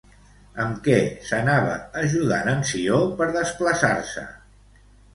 Amb què s'anava ajudant en Ció per desplaçar-se?